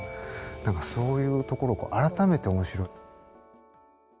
何かそういうところ改めておもしろい。